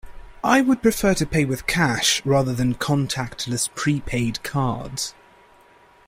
I would prefer to pay with cash rather than contactless prepaid cards.